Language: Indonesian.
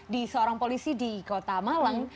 di seorang polisi di kota malang